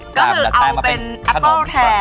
แต่เราก็ดัดแปลงก็คือเอาเป็นแอปเปิ้ลแทน